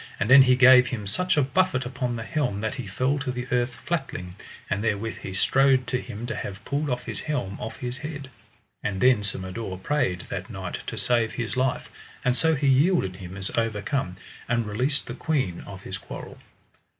And then he gave him such a buffet upon the helm that he fell to the earth flatling, and therewith he strode to him to have pulled off his helm off his head. And then Sir Mador prayed that knight to save his life, and so he yielded him as overcome, and released the queen of his quarrel.